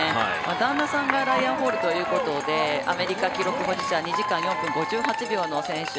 旦那さんがライアン・ホールということでアメリカ記録保持者２時間４分５８秒の選手。